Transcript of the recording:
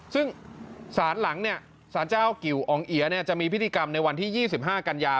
ซึ่งสารหลังเนี่ยสารเจ้ากิวองเอียจะมีพิธีกรรมในวันที่๒๕กันยา